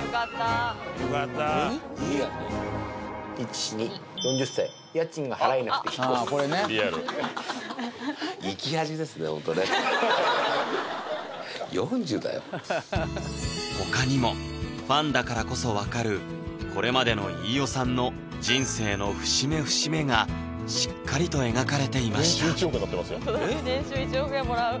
よかった２やね１２ハハハ他にもファンだからこそわかるこれまでの飯尾さんの人生の節目節目がしっかりと描かれていました「年収１億円もらう」